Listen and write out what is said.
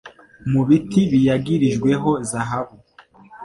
mu biti biyagirijweho zahabu.